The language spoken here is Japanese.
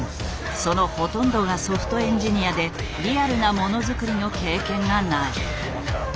そのほとんどがソフトエンジニアでリアルなものづくりの経験がない。